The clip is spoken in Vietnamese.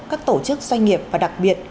các tổ chức doanh nghiệp và đặc biệt